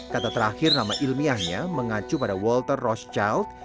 kata terakhir nama ilmiahnya mengacu pada walter rothschild